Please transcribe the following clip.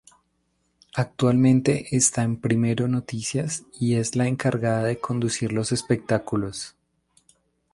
Actualmente está en Primero Noticias y es la encargada de conducir los espectáculos.